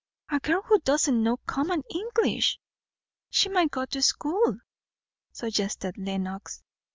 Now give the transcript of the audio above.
A girl who doesn't know common English!" "She might go to school," suggested Lenox.